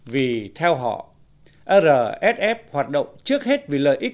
vì theo họ rsf hoạt động trước hết vì lợi ích